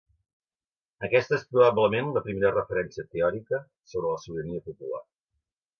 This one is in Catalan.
Aquesta és probablement la primera referència teòrica sobre la sobirania popular.